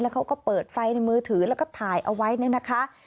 เขาก็เปิดไฟในมือถือแล้วก็ถ่ายเอาไว้เนี่ยนะคะ